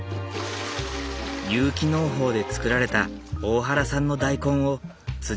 有機農法で作られた大原産の大根をさんが煮込んだ。